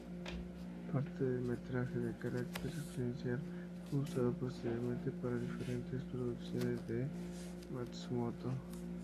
Parte del metraje de carácter experimental fue usado posteriormente para diferentes producciones de Matsumoto.